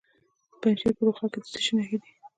د پنجشیر په روخه کې د څه شي نښې دي؟